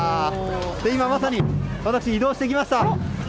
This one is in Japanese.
今、まさに私は移動してきました。